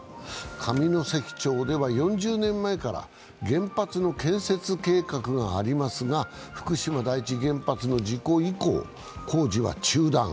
上関町では、４０年前から原発の建設計画がありますが、福島第一原発の事故以降、工事は中断。